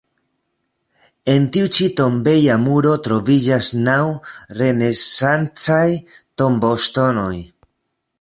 En tiu ĉi tombeja muro troviĝas naŭ renesancaj tomboŝtonoj.